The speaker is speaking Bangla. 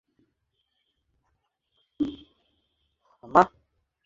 আলাদা করে ভেঁজে পরে মিশিয়ে দিলেই তো হলো।